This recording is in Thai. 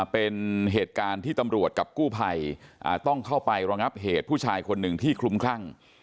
เป็นเหตุการณ์ที่ตำรวจกับกู้ภัยต้องเข้าไประงับเหตุผู้ชายคนหนึ่งที่คลุมคลั่ง